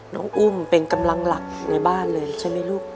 อุ้มเป็นกำลังหลักในบ้านเลยใช่ไหมลูก